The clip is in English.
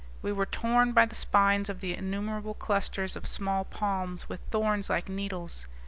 We were torn by the spines of the innumerable clusters of small palms with thorns like needles.